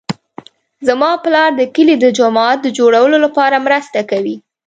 زما پلار د کلي د جومات د جوړولو لپاره مرسته کوي